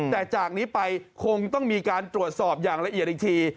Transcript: แต่จากนี้ไปคงต้องมีการตรวจสอบอย่างละเอียดอีกที